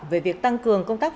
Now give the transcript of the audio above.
về việc tăng cường công tác phòng